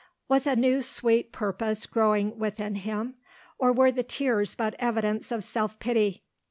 Was a new sweet purpose growing within him or were the tears but evidence of self pity?